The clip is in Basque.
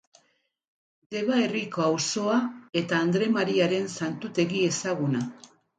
Deba herriko auzoa eta Andre Mariaren santutegi ezaguna.